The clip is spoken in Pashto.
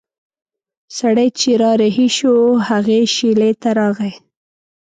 سړی چې را رهي شو هغې شېلې ته راغی.